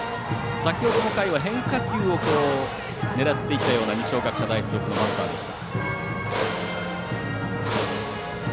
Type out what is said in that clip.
先ほどの回は変化球を狙っていったような二松学舎大付属のバッターでした。